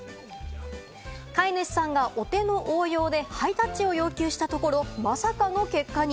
飼い主さんがお手の応用でハイタッチを要求したところ、まさかの結果に。